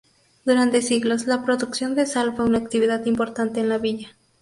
Durante siglos, la producción de sal fue una actividad importante en la villa.